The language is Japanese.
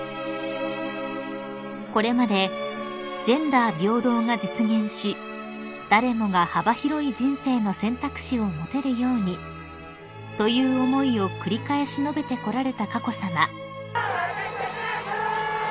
［これまで「ジェンダー平等が実現し誰もが幅広い人生の選択肢を持てるように」という思いを繰り返し述べてこられた佳子さま］